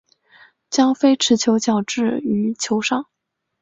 将非持球脚置于球上。